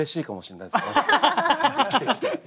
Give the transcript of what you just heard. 生きてきて。